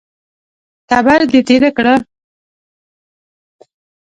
تبر دې تېره کړه!